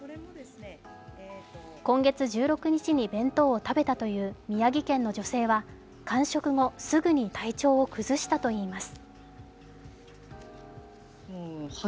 今月１６日に弁当を食べたという宮城県の女性は完食後、すぐに体調を崩したといいます。